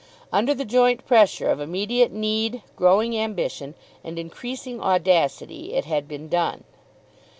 Under the joint pressure of immediate need, growing ambition, and increasing audacity it had been done.